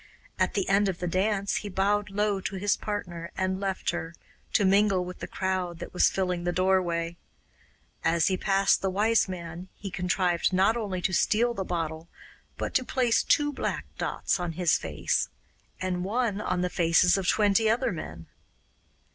At the end of the dance he bowed low to his partner and left her, to mingle with the crowd that was filling the doorway. As he passed the Wise Man he contrived not only to steal the bottle but to place two black dots on his face, and one on the faces of twenty other men.